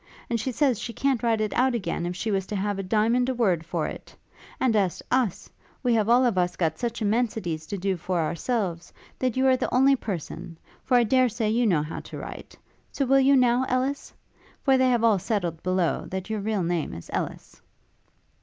And she says she can't write it out again if she was to have a diamond a word for it; and as to us, we have all of us got such immensities to do for ourselves, that you are the only person; for I dare say you know how to write. So will you, now, Ellis? for they have all settled, below, that your real name is Ellis.'